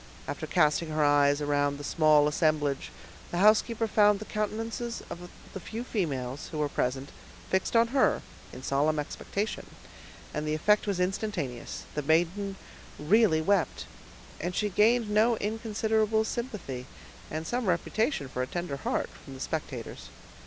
After casting her eyes around the small assemblage, the housekeeper found the countenances of the few females, who were present, fixed on her in solemn expectation, and the effect was instantaneous; the maiden really wept, and she gained no inconsiderable sympathy, and some reputation for a tender heart, from the spectators.